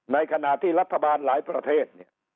ในขณะที่รัฐบาลหลายประเทศ